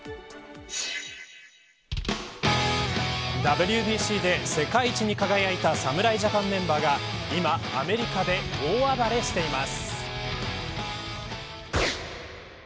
ＷＢＣで世界一に輝いた侍ジャパンメンバーが今アメリカで大暴れしています。